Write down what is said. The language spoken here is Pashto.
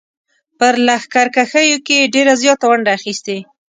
په لښکرکښیو کې یې ډېره زیاته ونډه اخیستې.